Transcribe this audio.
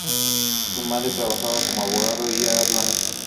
Su madre trabajaba como abogado de aduanas.